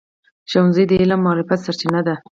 ښوونځی د علم او معرفت سرچینه ده.